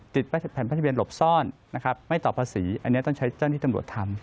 แผ่นป้ายทะเบียนหลบซ่อนนะครับไม่ต่อภาษีอันนี้ต้องใช้เจ้าหน้าที่ตำรวจทำ